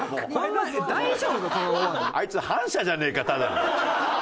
あいつ反社じゃねえかただの。